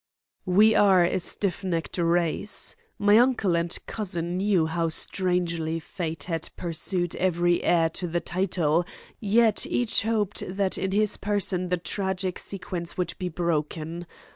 "We are a stiff necked race. My uncle and cousin knew how strangely Fate had pursued every heir to the title, yet each hoped that in his person the tragic sequence would be broken.